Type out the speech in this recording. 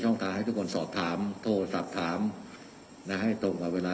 ต้องการให้ทุกคนสอบถามโทรศัพท์ถามนะให้ตรงกับเวลา